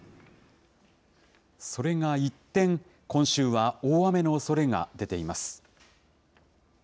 それが一転、今週は大雨のおそれが出ています。